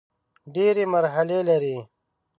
ډېري مرحلې لري .